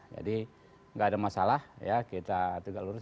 jadi gak ada masalah ya kita tinggal lurus